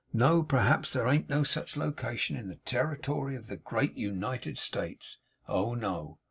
No! P'raps there ain't no such location in the territoary of the Great U nited States. Oh, no!